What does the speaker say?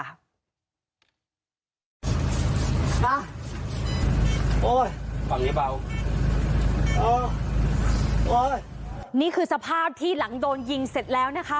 โอ้ยฝั่งนี้เบาโอ้ยนี่คือสภาพที่หลังโดนยิงเสร็จแล้วนะคะ